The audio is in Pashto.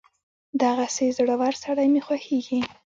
دغسې زړور سړی مې خوښېږي.